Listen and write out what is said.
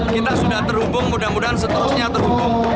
kita sudah terhubung mudah mudahan seterusnya terhubung